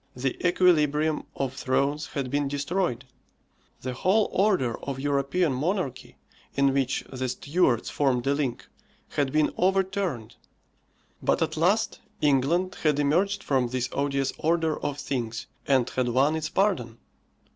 The equilibrium of thrones had been destroyed. The whole order of European monarchy, in which the Stuarts formed a link, had been overturned. But at last England had emerged from this odious order of things, and had won its pardon.